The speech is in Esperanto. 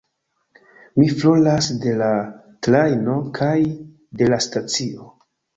Mi foriras de la trajno, kaj de la stacio.